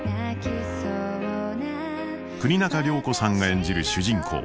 国仲涼子さんが演じる主人公